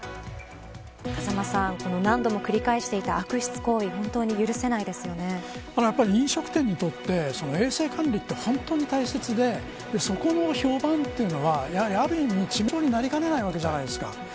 風間さん、何度も繰り返していた悪質行為、本当に飲食店にとって衛生管理は本当に大切でそこの評判はある意味、致命傷になりかねないわけじゃないですか。